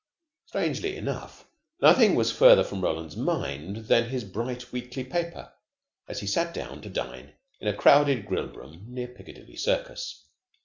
Strangely enough, nothing was farther from Roland's mind than his bright weekly paper, as he sat down to dine in a crowded grill room near Piccadilly Circus.